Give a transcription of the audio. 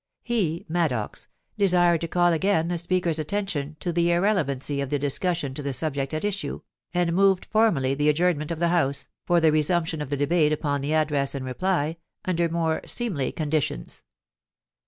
... He, Maddox, desired to call again the Speaker's attention to the irrelevancy of the discussion to the subject at issue, and moved formally the adjournment of the House, for the resumption of the debate upon the Address in reply, under more seemly conditions.